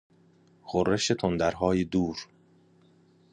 غرش تندرهای دور